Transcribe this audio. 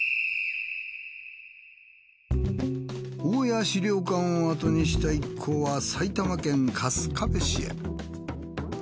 大谷資料館を後にした一行は埼玉県春日部市へ。